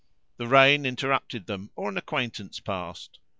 The rain interrupted them or an acquaintance passed.